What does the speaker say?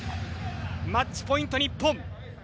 マッチポイント、日本。